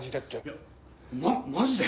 いやママジで？